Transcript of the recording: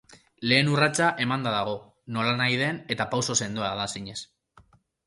Lehen urratsa emanda dago, nolanahi den, eta pauso sendoa da zinez.